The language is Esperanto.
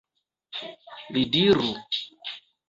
Li diru!